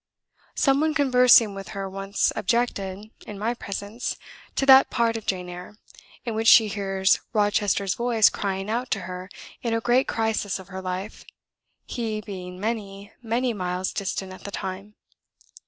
Some one conversing with her once objected, in my presence, to that part of "Jane Eyre" in which she hears Rochester's voice crying out to her in a great crisis of her life, he being many, many miles distant at the time.